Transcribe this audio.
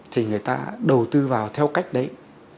thì người ta đầu tư vào theo cách đấy